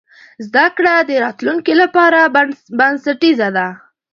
زده کړه د راتلونکي لپاره بنسټیزه ده.